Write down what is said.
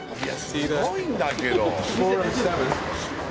すごいんだけど！